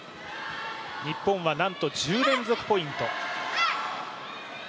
日本はなんと１０連続ポイント。